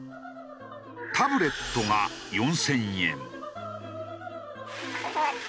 タブレットが４０００円。